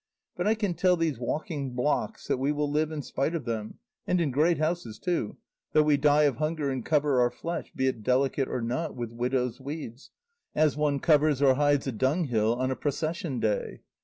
But I can tell these walking blocks that we will live in spite of them, and in great houses too, though we die of hunger and cover our flesh, be it delicate or not, with widow's weeds, as one covers or hides a dunghill on a procession day.